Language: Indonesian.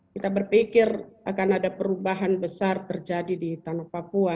kita berpikir akan ada perubahan besar terjadi di tanah papua